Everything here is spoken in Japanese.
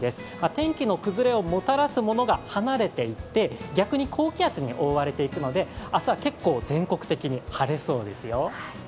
天気の崩れをもたらすものが離れていって逆に高気圧に覆われていくので明日は結構全国的に晴れそうですよ。